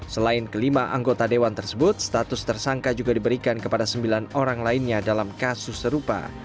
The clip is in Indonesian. selain kelima anggota dewan tersebut status tersangka juga diberikan kepada sembilan orang lainnya dalam kasus serupa